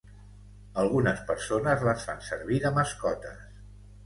Algunes persones les fan servir de mascotes.